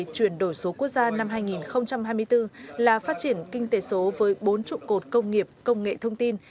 chuyển đổi số quốc gia năm hai nghìn hai mươi bốn là phát triển kinh tế số với bốn trụ cột công nghiệp công nghệ thông tin